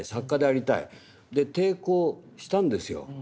で抵抗したんですよ。